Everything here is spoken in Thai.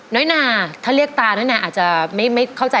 น้อยนาถ้าเรียกตาน้อยนาอาจจะไม่เข้าใจ